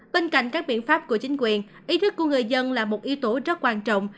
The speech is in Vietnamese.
bên cạnh các biện pháp của chính quyền ý thức của người dân là một yếu tố rất quan trọng